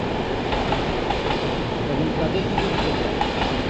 এবং তাদের দুজন ছেলে আছে।